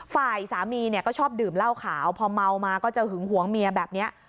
ฝ่ายสามีเนี่ยก็ชอบดื่มเหล้าขาวพอเมามาก็จะหึงหวงเมียแบบนี้